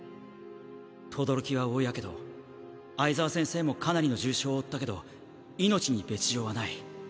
轟は大火傷相澤先生もかなりの重傷を負ったけど命に別条はない。